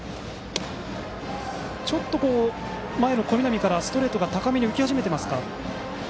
ちょっと、前の小南からストレートが高めに浮き始めていますか。